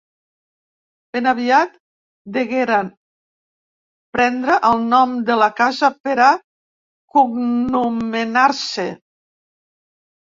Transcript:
Ben aviat degueren prendre el nom de la casa per a cognomenar-se.